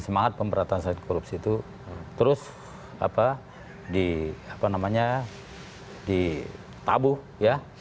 semangat pemberantasan korupsi itu terus apa di apa namanya ditabuh ya